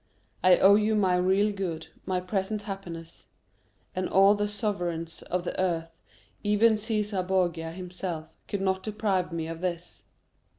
I owe you my real good, my present happiness; and all the sovereigns of the earth, even Cæsar Borgia himself, could not deprive me of this."